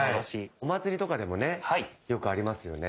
お祭りとかでもよくありますよね。